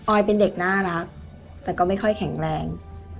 อยเป็นเด็กน่ารักแต่ก็ไม่ค่อยแข็งแรง